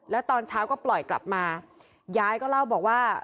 แล้วตอนเช้าก็ปล่อยกลับมายายก็เล่าบอกว่า